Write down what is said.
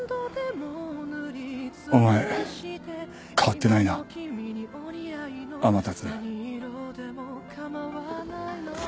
お前変わってないな天達。